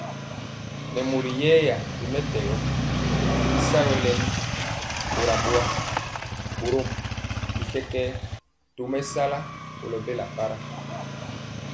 Nɛ mori yɛya ri mɛtɛgɔ y sagɔ lɛmi kora boa, borom bi kɛkɛɛ tomesala kolo bela para.